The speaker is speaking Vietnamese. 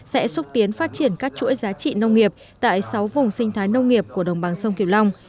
sẽ xúc tiến phát triển các chuỗi giá trị nông nghiệp tại sáu vùng sinh thái nông nghiệp của đồng bằng sông kiều long